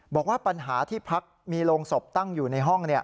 บอกว่าปัญหาที่พักมีโรงศพตั้งอยู่ในห้อง